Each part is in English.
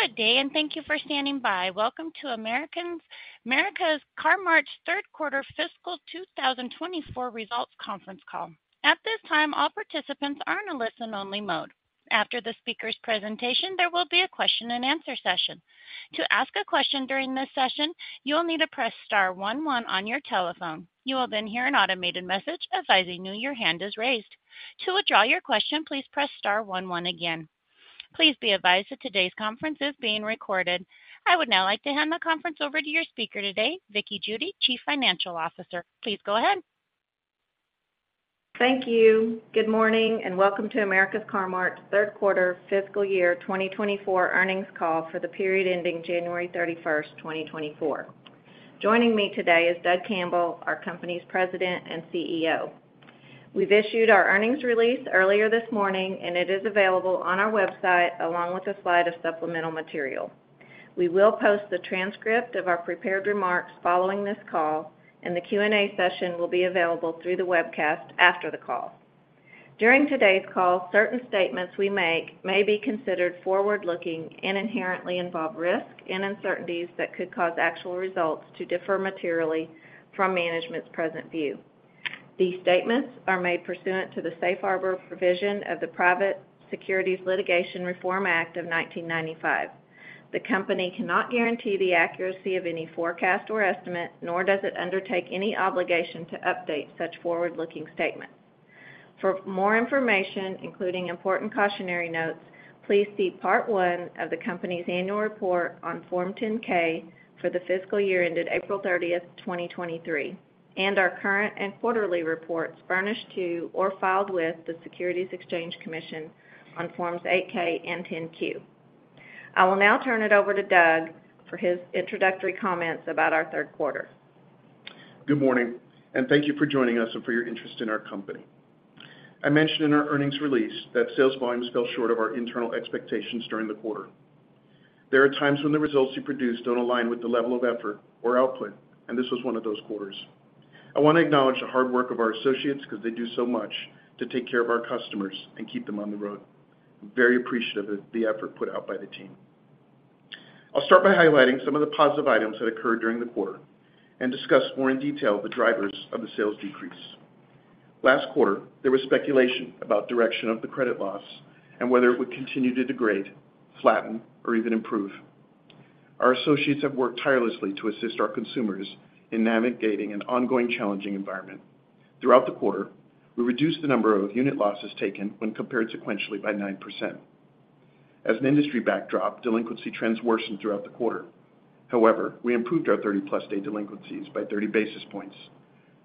Good day, and thank you for standing by. Welcome to America's Car-Mart's third quarter fiscal 2024 results conference call. At this time, all participants are in a listen-only mode. After the speaker's presentation, there will be a question-and-answer session. To ask a question during this session, you will need to press star one one on your telephone. You will then hear an automated message advising you your hand is raised. To withdraw your question, please press star one one again. Please be advised that today's conference is being recorded. I would now like to hand the conference over to your speaker today, Vickie Judy, Chief Financial Officer. Please go ahead. Thank you. Good morning, and welcome to America's Car-Mart's third quarter fiscal year 2024 earnings call for the period ending January 31, 2024. Joining me today is Doug Campbell, our company's President and CEO. We've issued our earnings release earlier this morning, and it is available on our website, along with a slide of supplemental material. We will post the transcript of our prepared remarks following this call, and the Q&A session will be available through the webcast after the call. During today's call, certain statements we make may be considered forward-looking and inherently involve risk and uncertainties that could cause actual results to differ materially from management's present view. These statements are made pursuant to the Safe Harbor provision of the Private Securities Litigation Reform Act of 1995. The company cannot guarantee the accuracy of any forecast or estimate, nor does it undertake any obligation to update such forward-looking statements. For more information, including important cautionary notes, please see Part One of the company's Annual Report on Form 10-K for the fiscal year ended April 30, 2023, and our current and quarterly reports furnished to or filed with the Securities and Exchange Commission on Forms 8-K and 10-Q. I will now turn it over to Doug for his introductory comments about our third quarter. Good morning, and thank you for joining us and for your interest in our company. I mentioned in our earnings release that sales volumes fell short of our internal expectations during the quarter. There are times when the results you produce don't align with the level of effort or output, and this was one of those quarters. I want to acknowledge the hard work of our associates because they do so much to take care of our customers and keep them on the road. I'm very appreciative of the effort put out by the team. I'll start by highlighting some of the positive items that occurred during the quarter and discuss more in detail the drivers of the sales decrease. Last quarter, there was speculation about direction of the credit loss and whether it would continue to degrade, flatten, or even improve. Our associates have worked tirelessly to assist our consumers in navigating an ongoing challenging environment. Throughout the quarter, we reduced the number of unit losses taken when compared sequentially by 9%. As an industry backdrop, delinquency trends worsened throughout the quarter. However, we improved our 30+ day delinquencies by 30 basis points.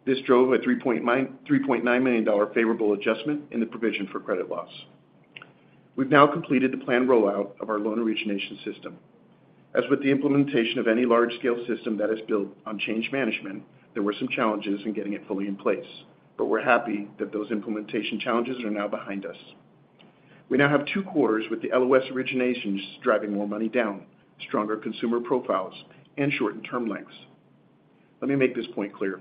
This drove a $3.9 million favorable adjustment in the provision for credit loss. We've now completed the planned rollout of our loan origination system. As with the implementation of any large-scale system that is built on change management, there were some challenges in getting it fully in place, but we're happy that those implementation challenges are now behind us. We now have two quarters with the LOS originations, driving more money down, stronger consumer profiles, and shortened term lengths. Let me make this point clear: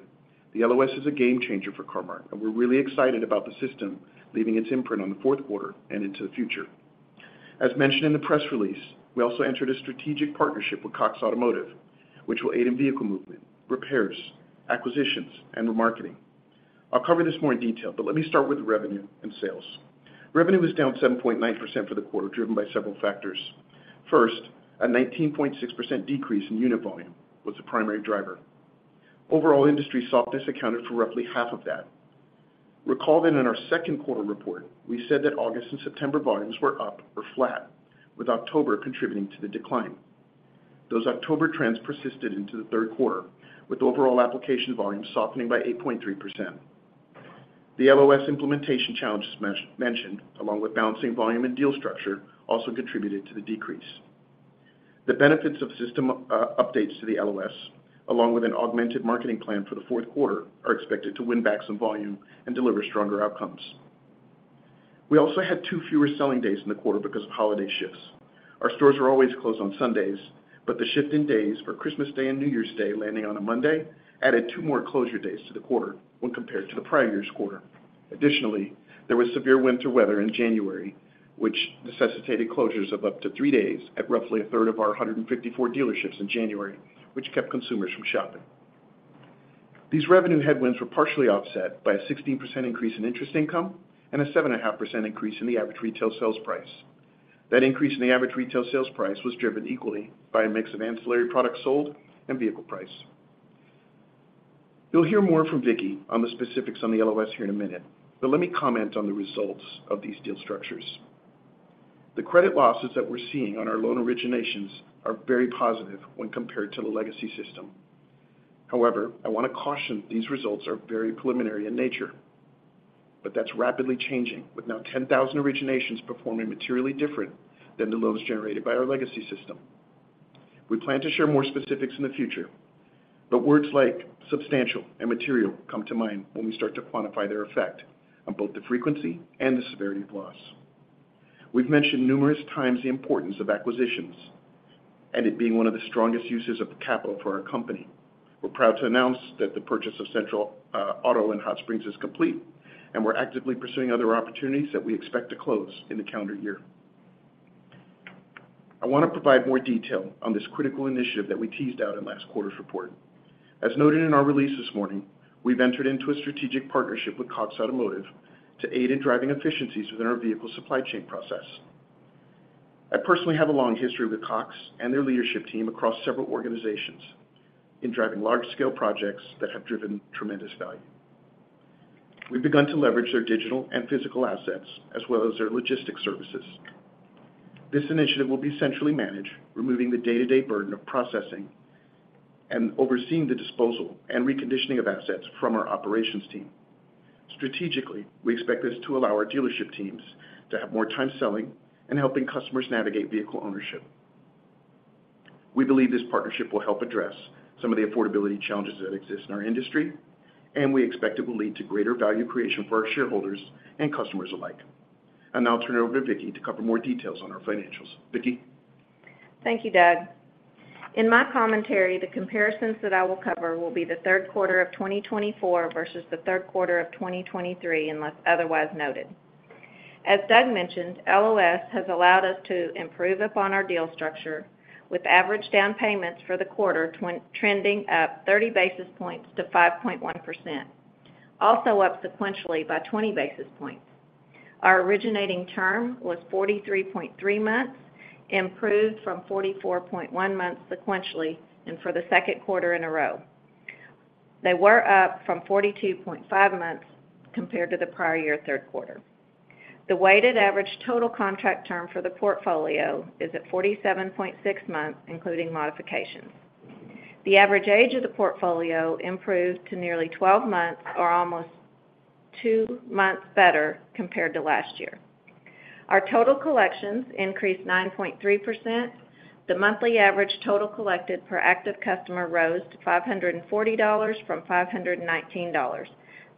The LOS is a game changer for Car-Mart, and we're really excited about the system leaving its imprint on the fourth quarter and into the future. As mentioned in the press release, we also entered a strategic partnership with Cox Automotive, which will aid in vehicle movement, repairs, acquisitions, and remarketing. I'll cover this more in detail, but let me start with revenue and sales. Revenue was down 7.9% for the quarter, driven by several factors. First, a 19.6% decrease in unit volume was the primary driver. Overall, industry softness accounted for roughly half of that. Recall that in our second quarter report, we said that August and September volumes were up or flat, with October contributing to the decline. Those October trends persisted into the third quarter, with overall application volumes softening by 8.3%. The LOS implementation challenges mentioned, along with balancing volume and deal structure, also contributed to the decrease. The benefits of system updates to the LOS, along with an augmented marketing plan for the fourth quarter, are expected to win back some volume and deliver stronger outcomes. We also had two fewer selling days in the quarter because of holiday shifts. Our stores are always closed on Sundays, but the shift in days for Christmas Day and New Year's Day, landing on a Monday, added two more closure days to the quarter when compared to the prior year's quarter. Additionally, there was severe winter weather in January, which necessitated closures of up to three days at roughly a third of our 154 dealerships in January, which kept consumers from shopping. These revenue headwinds were partially offset by a 16% increase in interest income and a 7.5% increase in the average retail sales price. That increase in the average retail sales price was driven equally by a mix of ancillary products sold and vehicle price. You'll hear more from Vickie on the specifics on the LOS here in a minute, but let me comment on the results of these deal structures. The credit losses that we're seeing on our loan originations are very positive when compared to the legacy system. However, I want to caution, these results are very preliminary in nature, but that's rapidly changing, with now 10,000 originations performing materially different than the loans generated by our legacy system. We plan to share more specifics in the future, but words like substantial and material come to mind when we start to quantify their effect on both the frequency and the severity of loss. We've mentioned numerous times the importance of acquisitions and it being one of the strongest uses of capital for our company. We're proud to announce that the purchase of Central Auto in Hot Springs is complete, and we're actively pursuing other opportunities that we expect to close in the calendar year. I want to provide more detail on this critical initiative that we teased out in last quarter's report. As noted in our release this morning, we've entered into a strategic partnership with Cox Automotive to aid in driving efficiencies within our vehicle supply chain process. I personally have a long history with Cox and their leadership team across several organizations in driving large-scale projects that have driven tremendous value. We've begun to leverage their digital and physical assets, as well as their logistics services. This initiative will be centrally managed, removing the day-to-day burden of processing and overseeing the disposal and reconditioning of assets from our operations team. Strategically, we expect this to allow our dealership teams to have more time selling and helping customers navigate vehicle ownership. We believe this partnership will help address some of the affordability challenges that exist in our industry, and we expect it will lead to greater value creation for our shareholders and customers alike. I'll now turn it over to Vickie to cover more details on our financials. Vickie? Thank you, Doug. In my commentary, the comparisons that I will cover will be the third quarter of 2024 versus the third quarter of 2023, unless otherwise noted. As Doug mentioned, LOS has allowed us to improve upon our deal structure, with average down payments for the quarter trending up 30 basis points to 5.1%, also up sequentially by 20 basis points. Our originating term was 43.3 months, improved from 44.1 months sequentially, and for the second quarter in a row. They were up from 42.5 months compared to the prior year third quarter. The weighted average total contract term for the portfolio is at 47.6 months, including modifications. The average age of the portfolio improved to nearly 12 months or almost two months better compared to last year. Our total collections increased 9.3%. The monthly average total collected per active customer rose to $540 from $519.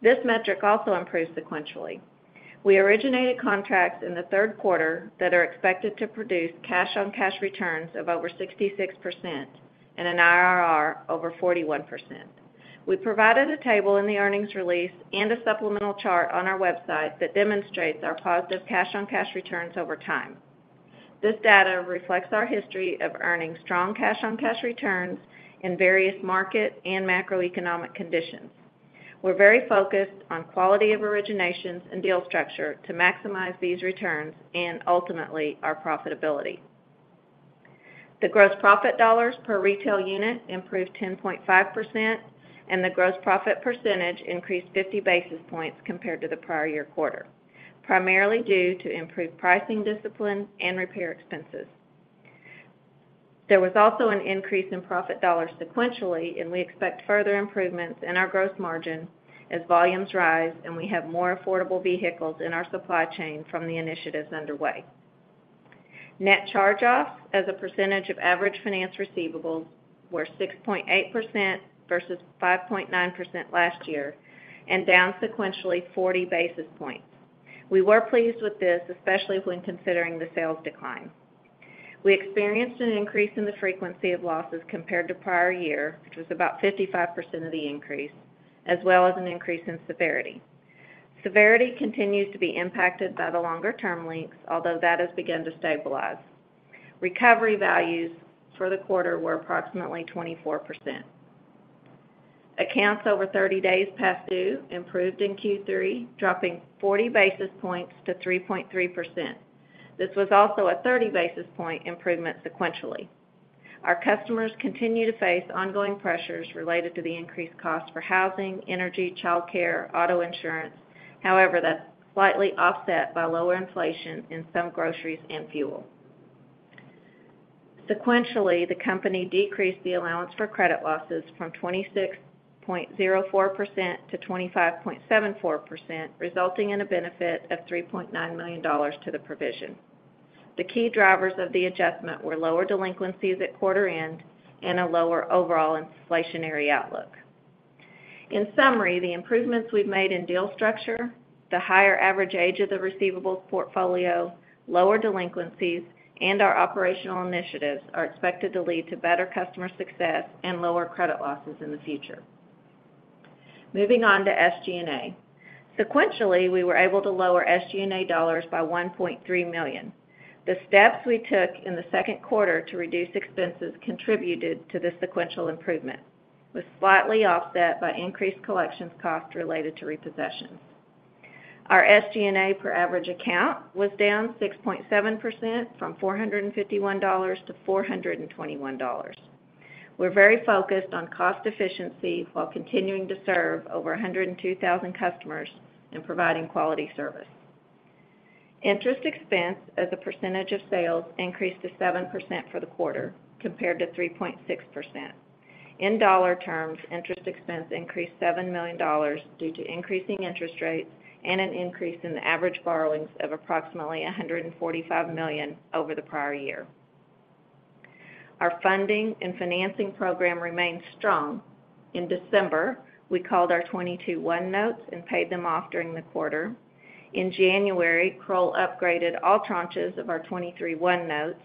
This metric also improved sequentially. We originated contracts in the third quarter that are expected to produce cash-on-cash returns of over 66% and an IRR over 41%. We provided a table in the earnings release and a supplemental chart on our website that demonstrates our positive cash-on-cash returns over time. This data reflects our history of earning strong cash-on-cash returns in various market and macroeconomic conditions. We're very focused on quality of originations and deal structure to maximize these returns and ultimately, our profitability. The gross profit dollars per retail unit improved 10.5%, and the gross profit percentage increased 50 basis points compared to the prior year quarter, primarily due to improved pricing discipline and repair expenses. There was also an increase in profit dollars sequentially, and we expect further improvements in our gross margin as volumes rise and we have more affordable vehicles in our supply chain from the initiatives underway. Net charge-offs as a percentage of average finance receivables were 6.8% versus 5.9% last year, and down sequentially 40 basis points. We were pleased with this, especially when considering the sales decline. We experienced an increase in the frequency of losses compared to prior year, which was about 55% of the increase, as well as an increase in severity. Severity continues to be impacted by the longer term lengths, although that has begun to stabilize. Recovery values for the quarter were approximately 24%. Accounts over 30 days past due improved in Q3, dropping 40 basis points to 3.3%. This was also a 30 basis point improvement sequentially. Our customers continue to face ongoing pressures related to the increased cost for housing, energy, childcare, auto insurance. However, that's slightly offset by lower inflation in some groceries and fuel. Sequentially, the company decreased the allowance for credit losses from 26.04% to 25.74%, resulting in a benefit of $3.9 million to the provision. The key drivers of the adjustment were lower delinquencies at quarter end and a lower overall inflationary outlook. In summary, the improvements we've made in deal structure, the higher average age of the receivables portfolio, lower delinquencies, and our operational initiatives are expected to lead to better customer success and lower credit losses in the future. Moving on to SG&A. Sequentially, we were able to lower SG&A dollars by $1.3 million. The steps we took in the second quarter to reduce expenses contributed to the sequential improvement, was slightly offset by increased collections costs related to repossessions. Our SG&A per average account was down 6.7% from $451 to $421. We're very focused on cost efficiency while continuing to serve over 102,000 customers in providing quality service. Interest expense as a percentage of sales increased to 7% for the quarter, compared to 3.6%. In dollar terms, interest expense increased $7 million due to increasing interest rates and an increase in the average borrowings of approximately $145 million over the prior year. Our funding and financing program remains strong. In December, we called our 22-1 notes and paid them off during the quarter. In January, Kroll upgraded all tranches of our 23-1 notes,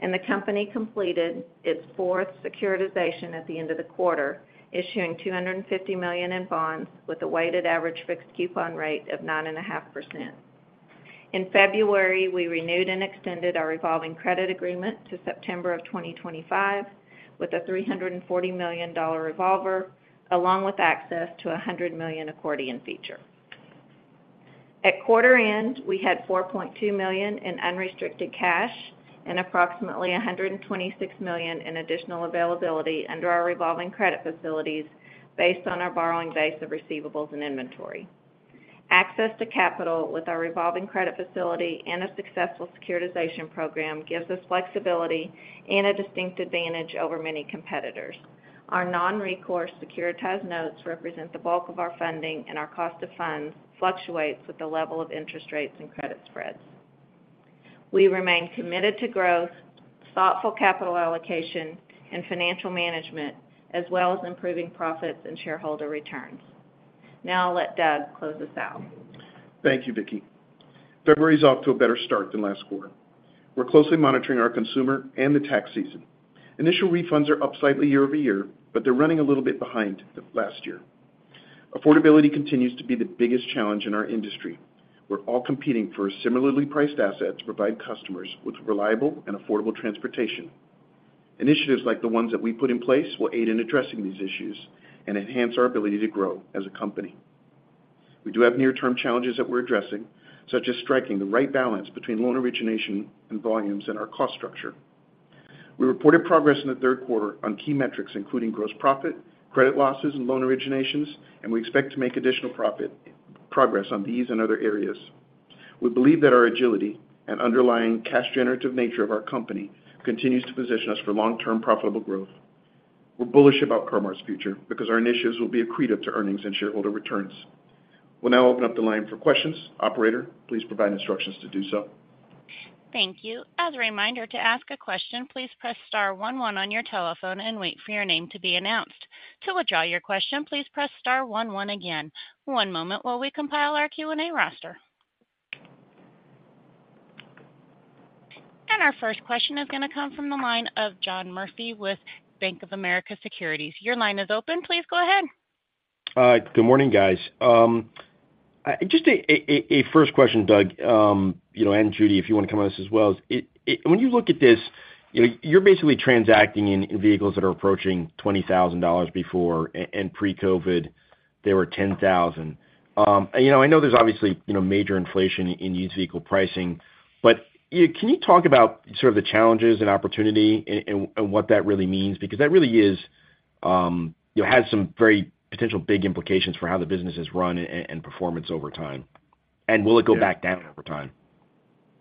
and the company completed its fourth securitization at the end of the quarter, issuing $250 million in bonds with a weighted average fixed coupon rate of 9.5%. In February, we renewed and extended our revolving credit agreement to September 2025, with a $340 million revolver, along with access to a $100 million accordion feature. At quarter end, we had $4.2 million in unrestricted cash and approximately $126 million in additional availability under our revolving credit facilities based on our borrowing base of receivables and inventory. Access to capital with our revolving credit facility and a successful securitization program gives us flexibility and a distinct advantage over many competitors. Our non-recourse securitized notes represent the bulk of our funding, and our cost of funds fluctuates with the level of interest rates and credit spreads. We remain committed to growth, thoughtful capital allocation, and financial management, as well as improving profits and shareholder returns. Now I'll let Doug close us out. Thank you, Vickie. February is off to a better start than last quarter. We're closely monitoring our consumer and the tax season. Initial refunds are up slightly year-over-year, but they're running a little bit behind last year. Affordability continues to be the biggest challenge in our industry. We're all competing for a similarly priced asset to provide customers with reliable and affordable transportation. Initiatives like the ones that we put in place will aid in addressing these issues and enhance our ability to grow as a company. We do have near-term challenges that we're addressing, such as striking the right balance between loan origination and volumes and our cost structure. We reported progress in the third quarter on key metrics, including gross profit, credit losses, and loan originations, and we expect to make additional progress on these and other areas. We believe that our agility and underlying cash-generative nature of our company continues to position us for long-term profitable growth. We're bullish about Car-Mart's future because our initiatives will be accretive to earnings and shareholder returns. We'll now open up the line for questions. Operator, please provide instructions to do so. Thank you. As a reminder, to ask a question, please press star one one on your telephone and wait for your name to be announced. To withdraw your question, please press star one one again. One moment while we compile our Q&A roster. Our first question is going to come from the line of John Murphy with Bank of America Securities. Your line is open. Please go ahead. Good morning, guys. Just a first question, Doug, you know, and Judy, if you want to come on this as well. When you look at this, you know, you're basically transacting in vehicles that are approaching $20,000 before, and pre-COVID, they were $10,000. You know, I know there's obviously, you know, major inflation in used vehicle pricing, but, you know, can you talk about sort of the challenges and opportunity and, and what that really means? Because that really is, you know, has some very potential big implications for how the business is run and performance over time. And will it go back down over time?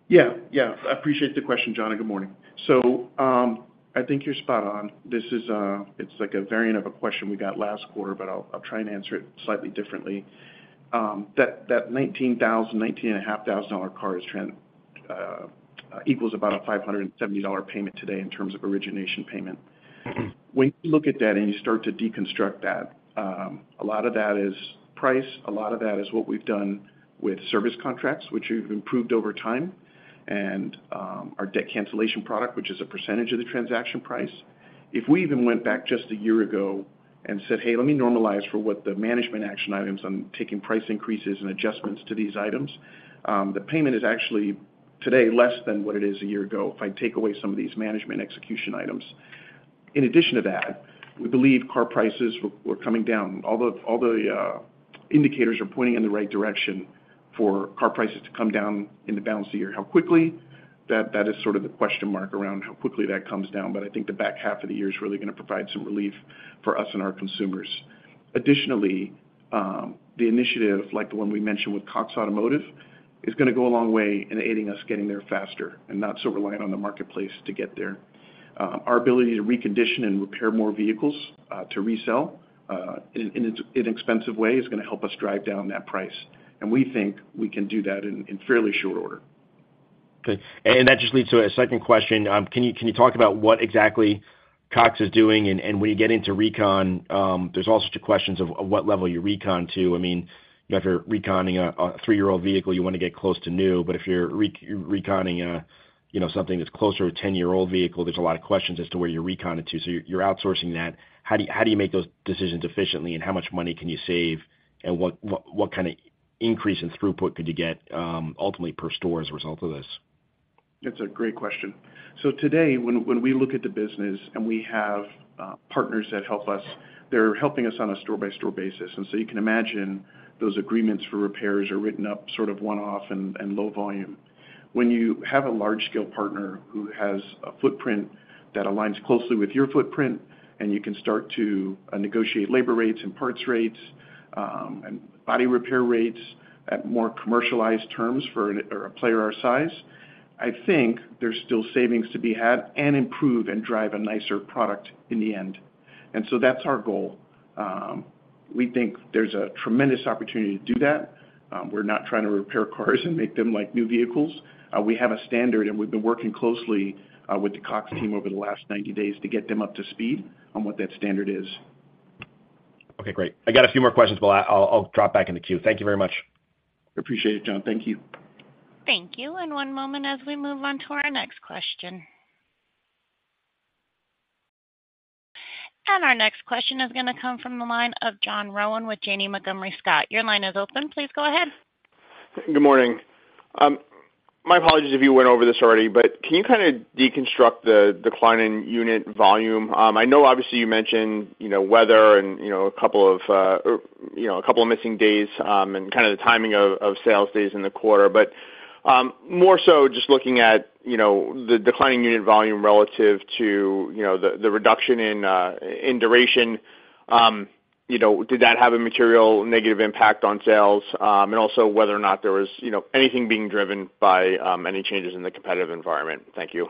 Yeah. Yeah, I appreciate the question, John, and good morning. So, I think you're spot on. This is, it's like a variant of a question we got last quarter, but I'll, I'll try and answer it slightly differently. That, that $19,000-$19,500 car is trend equals about a $570 payment today in terms of origination payment. Mm-hmm. When you look at that and you start to deconstruct that, a lot of that is price, a lot of that is what we've done with service contracts, which we've improved over time, and our debt cancellation product, which is a percentage of the transaction price. If we even went back just a year ago and said, "Hey, let me normalize for what the management action items on taking price increases and adjustments to these items," the payment is actually today less than what it is a year ago if I take away some of these management execution items. In addition to that, we believe car prices were coming down. All the indicators are pointing in the right direction for car prices to come down in the balance of the year. How quickly? That, that is sort of the question mark around how quickly that comes down, but I think the back half of the year is really going to provide some relief for us and our consumers. Additionally, the initiative, like the one we mentioned with Cox Automotive, is going to go a long way in aiding us getting there faster and not so reliant on the marketplace to get there. Our ability to recondition and repair more vehicles, to resell, in inexpensive way, is going to help us drive down that price, and we think we can do that in fairly short order. Okay. That just leads to a second question. Can you talk about what exactly Cox is doing? And when you get into recon, there's all sorts of questions of what level you recon to. I mean, if you're reconning a 3-year-old vehicle, you want to get close to new, but if you're reconning a 10-year-old vehicle, there's a lot of questions as to where you recon it to. So you're outsourcing that. How do you make those decisions efficiently, and how much money can you save, and what kind of increase in throughput could you get ultimately per store as a result of this? That's a great question. So today, when we look at the business and we have partners that help us, they're helping us on a store-by-store basis, and so you can imagine those agreements for repairs are written up sort of one-off and low volume. When you have a large-scale partner who has a footprint that aligns closely with your footprint, and you can start to negotiate labor rates and parts rates, and body repair rates at more commercialized terms for a player our size, I think there's still savings to be had and improve and drive a nicer product in the end. And so that's our goal. We think there's a tremendous opportunity to do that. We're not trying to repair cars and make them like new vehicles. We have a standard, and we've been working closely with the Cox team over the last 90 days to get them up to speed on what that standard is. Okay, great. I got a few more questions. Well, I’ll drop back in the queue. Thank you very much. Appreciate it, John. Thank you. Thank you. One moment as we move on to our next question. Our next question is gonna come from the line of John Rowan with Janney Montgomery Scott. Your line is open. Please go ahead. Good morning. My apologies if you went over this already, but can you kind of deconstruct the decline in unit volume? I know obviously, you mentioned, you know, weather and, you know, a couple of, you know, a couple of missing days, and kind of the timing of sales days in the quarter. But, more so just looking at, you know, the declining unit volume relative to, you know, the reduction in duration, you know, did that have a material negative impact on sales? And also, whether or not there was, you know, anything being driven by any changes in the competitive environment. Thank you.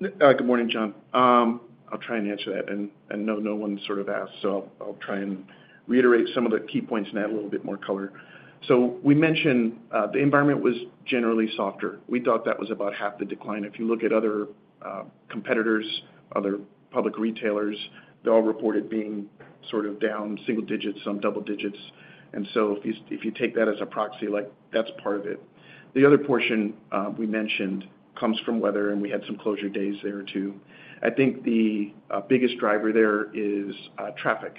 Good morning, John. I'll try and answer that, and no one sort of asked, so I'll try and reiterate some of the key points and add a little bit more color. So we mentioned the environment was generally softer. We thought that was about half the decline. If you look at other competitors, other public retailers, they all reported being sort of down single digits, some double digits. And so if you take that as a proxy, like, that's part of it. The other portion we mentioned comes from weather, and we had some closure days there, too. I think the biggest driver there is traffic.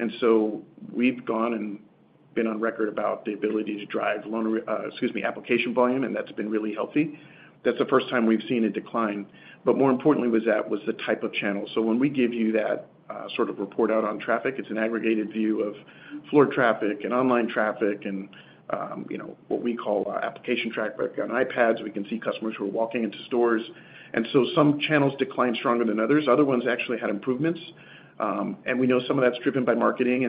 And so we've gone and been on record about the ability to drive loan application volume, and that's been really healthy. That's the first time we've seen a decline, but more importantly, that was the type of channel. So when we give you that sort of report out on traffic, it's an aggregated view of floor traffic and online traffic and, you know, what we call our application traffic. On iPads, we can see customers who are walking into stores, and so some channels declined stronger than others. Other ones actually had improvements. And we know some of that's driven by marketing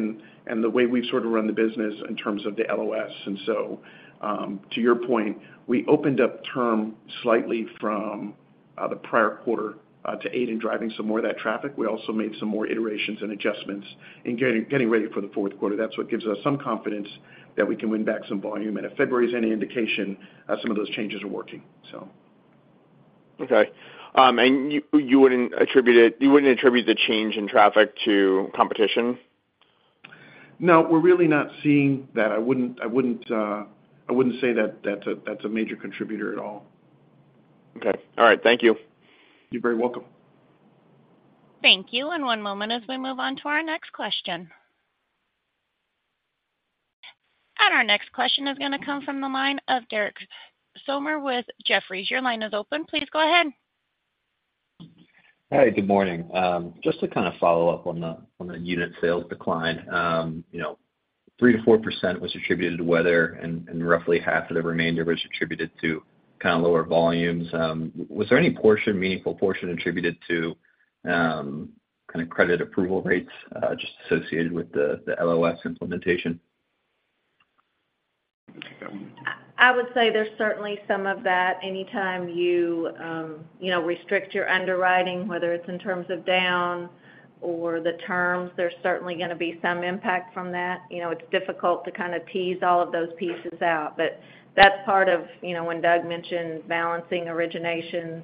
and the way we've sort of run the business in terms of the LOS. And so, to your point, we opened up term slightly from the prior quarter to aid in driving some more of that traffic. We also made some more iterations and adjustments in getting ready for the fourth quarter. That's what gives us some confidence that we can win back some volume. If February is any indication, some of those changes are working, so. Okay. And you wouldn't attribute the change in traffic to competition? No, we're really not seeing that. I wouldn't say that that's a major contributor at all. Okay. All right. Thank you. You're very welcome. Thank you. One moment as we move on to our next question. Our next question is gonna come from the line of Derek Sommers with Jefferies. Your line is open. Please go ahead. Hi, good morning. Just to kind of follow up on the unit sales decline. You know, 3%-4% was attributed to weather, and roughly half of the remainder was attributed to kind of lower volumes. Was there any portion, meaningful portion, attributed to kind of credit approval rates, just associated with the LOS implementation? I would say there's certainly some of that. Anytime you, you know, restrict your underwriting, whether it's in terms of down or the terms, there's certainly gonna be some impact from that. You know, it's difficult to kind of tease all of those pieces out, but that's part of, you know, when Doug mentioned balancing originations,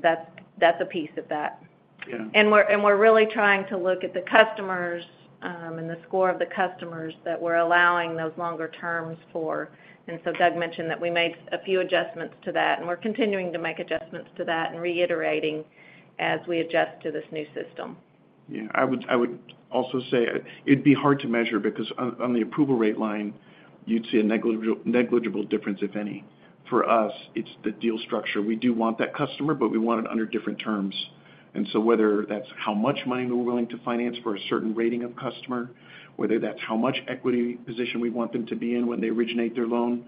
that's a piece of that. Yeah. We're really trying to look at the customers and the score of the customers that we're allowing those longer terms for. So Doug mentioned that we made a few adjustments to that, and we're continuing to make adjustments to that and reiterating as we adjust to this new system. Yeah. I would, I would also say it'd be hard to measure because on, on the approval rate line, you'd see a negligible difference, if any. For us, it's the deal structure. We do want that customer, but we want it under different terms. And so whether that's how much money we're willing to finance for a certain rating of customer, whether that's how much equity position we want them to be in when they originate their loan,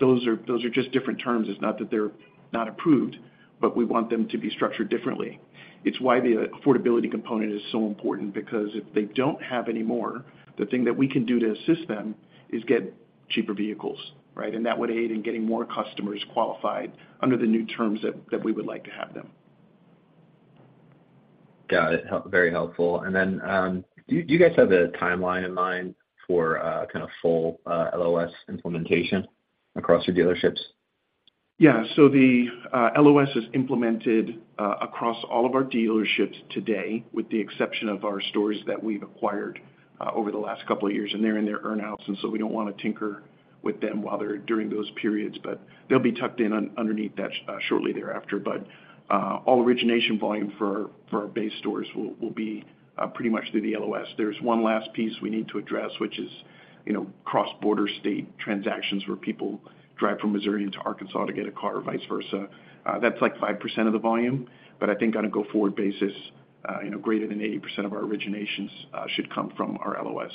those are, those are just different terms. It's not that they're not approved, but we want them to be structured differently. It's why the affordability component is so important, because if they don't have any more, the thing that we can do to assist them is get cheaper vehicles, right? That would aid in getting more customers qualified under the new terms that we would like to have them. Got it. Very helpful. And then, do you guys have a timeline in mind for kind of full LOS implementation across your dealerships? Yeah. So the LOS is implemented across all of our dealerships today, with the exception of our stores that we've acquired over the last couple of years, and they're in their earn-outs, and so we don't wanna tinker with them while they're during those periods. But they'll be tucked in underneath that shortly thereafter. But all origination volume for our base stores will be pretty much through the LOS. There's one last piece we need to address, which is, you know, cross-border state transactions, where people drive from Missouri into Arkansas to get a car or vice versa. That's like 5% of the volume, but I think on a go-forward basis, you know, greater than 80% of our originations should come from our LOS.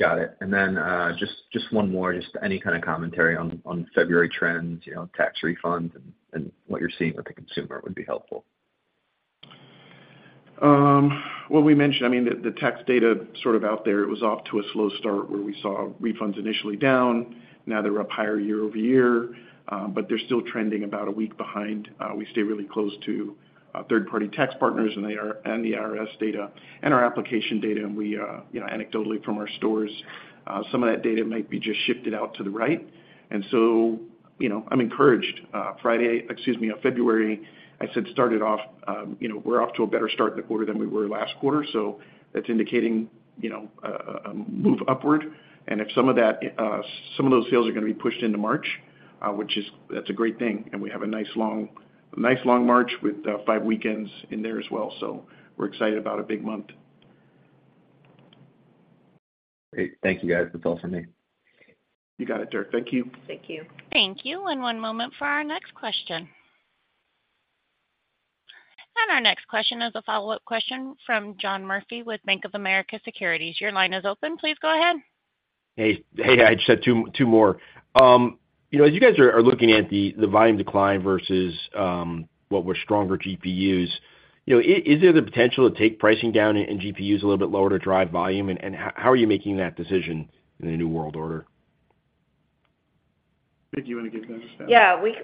Got it. And then, just, just one more. Just any kind of commentary on, on February trends, you know, tax refunds and, and what you're seeing with the consumer would be helpful. Well, we mentioned, I mean, the, the tax data sort of out there, it was off to a slow start where we saw refunds initially down. Now they're up higher year-over-year, but they're still trending about a week behind. We stay really close to, third-party tax partners and they are, and the IRS data and our application data, and we, you know, anecdotally from our stores, some of that data might be just shifted out to the right. And so, you know, I'm encouraged. Friday, excuse me, on February, I said, started off, you know, we're off to a better start in the quarter than we were last quarter, so that's indicating, you know, a move upward. And if some of that, some of those sales are gonna be pushed into March-... Which is, that's a great thing, and we have a nice long, nice long March with five weekends in there as well, so we're excited about a big month. Great. Thank you, guys. That's all for me. You got it, Derek. Thank you. Thank you. Thank you, and one moment for our next question. Our next question is a follow-up question from John Murphy with Bank of America Securities. Your line is open. Please go ahead. Hey, hey, I just had two, two more. You know, as you guys are looking at the volume decline versus what were stronger GPUs, you know, is there the potential to take pricing down in GPUs a little bit lower to drive volume? And how are you making that decision in the new world order? Vickie, do you wanna get that started? Yeah, we,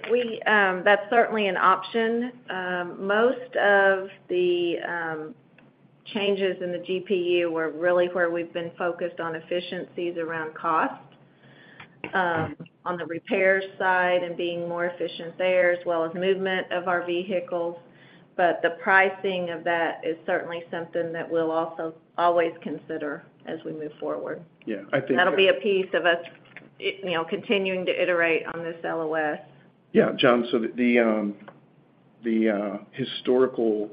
that's certainly an option. Most of the changes in the GPU were really where we've been focused on efficiencies around cost on the repairs side and being more efficient there, as well as movement of our vehicles, but the pricing of that is certainly something that we'll also always consider as we move forward. Yeah, I think- That'll be a piece of us, it, you know, continuing to iterate on this LOS. Yeah, John, so the historical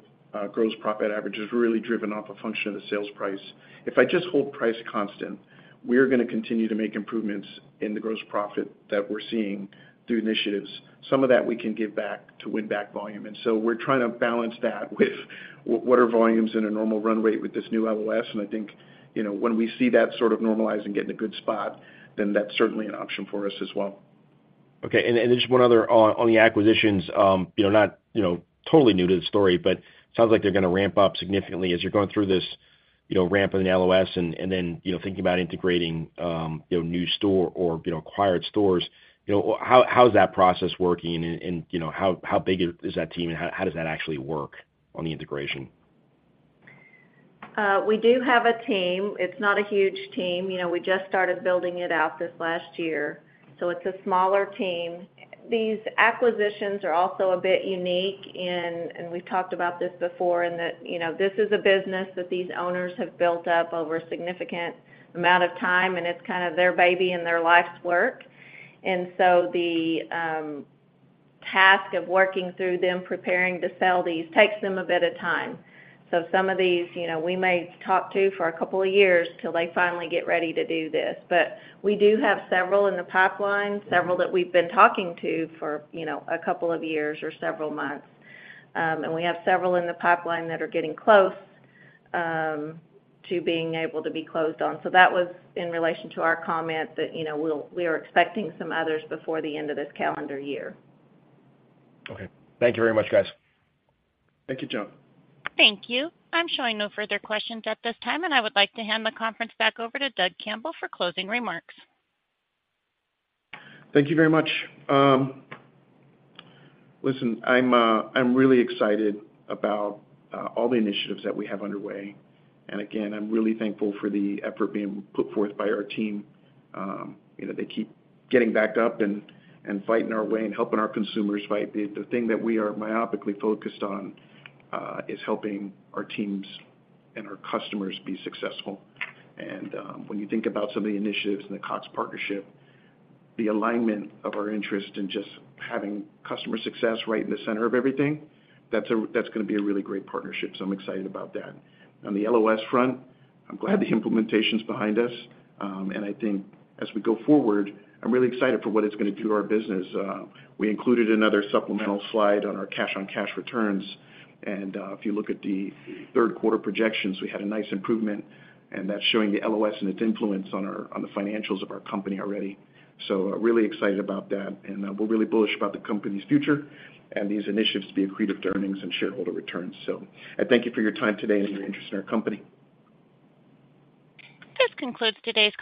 gross profit average is really driven off a function of the sales price. If I just hold price constant, we're gonna continue to make improvements in the gross profit that we're seeing through initiatives. Some of that we can give back to win back volume, and so we're trying to balance that with what are volumes in a normal run rate with this new LOS. And I think, you know, when we see that sort of normalize and get in a good spot, then that's certainly an option for us as well. Okay, and just one other on the acquisitions. You know, not totally new to the story, but it sounds like they're gonna ramp up significantly as you're going through this, you know, ramp in the LOS and then, you know, thinking about integrating, you know, new store or, you know, acquired stores. You know, how is that process working? And, you know, how big is that team, and how does that actually work on the integration? We do have a team. It's not a huge team. You know, we just started building it out this last year, so it's a smaller team. These acquisitions are also a bit unique in, and we've talked about this before, in that, you know, this is a business that these owners have built up over a significant amount of time, and it's kind of their baby and their life's work. And so the task of working through them, preparing to sell these, takes them a bit of time. So some of these, you know, we may talk to for a couple of years till they finally get ready to do this. But we do have several in the pipeline, several that we've been talking to for, you know, a couple of years or several months. And we have several in the pipeline that are getting close to being able to be closed on. So that was in relation to our comment that, you know, we are expecting some others before the end of this calendar year. Okay. Thank you very much, guys. Thank you, John. Thank you. I'm showing no further questions at this time, and I would like to hand the conference back over to Doug Campbell for closing remarks. Thank you very much. Listen, I'm really excited about all the initiatives that we have underway. And again, I'm really thankful for the effort being put forth by our team. You know, they keep getting back up and fighting our way and helping our consumers fight. The thing that we are myopically focused on is helping our teams and our customers be successful. And when you think about some of the initiatives and the Cox partnership, the alignment of our interest in just having customer success right in the center of everything, that's gonna be a really great partnership, so I'm excited about that. On the LOS front, I'm glad the implementation's behind us. And I think as we go forward, I'm really excited for what it's gonna do to our business. We included another supplemental slide on our cash-on-cash returns, and if you look at the third quarter projections, we had a nice improvement, and that's showing the LOS and its influence on our, on the financials of our company already. So I'm really excited about that, and we're really bullish about the company's future and these initiatives to be accretive to earnings and shareholder returns. So I thank you for your time today and your interest in our company. This concludes today's-